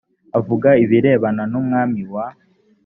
avuga ibirebana n umwami wa